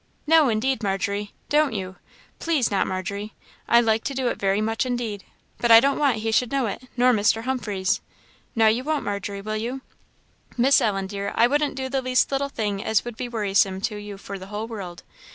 "No, indeed, Margery! don't you. Please not, Margery. I like to do it very much, indeed, but I don't want he should know it, nor Mr. Humphreys. Now you won't, Margery, will you?" "Miss Ellen, dear, I wouldn't do the least little thing as would be worrisome to you, for the whole world.